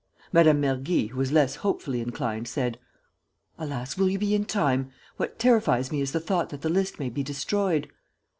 Mme. Mergy, who was less hopefully inclined, said: "Alas, will you be in time? What terrifies me is the thought that the list may be destroyed."